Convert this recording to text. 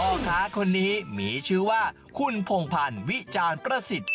ค้าคนนี้มีชื่อว่าคุณพงพันธ์วิจารณ์ประสิทธิ์